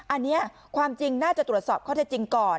อันนี้ความจริงน่าจะตรวจสอบข้อเท็จจริงก่อน